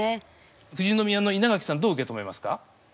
富士宮の稲垣さんどう受け止めますか？